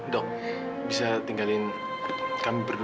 dok bisa tinggalin kami berdua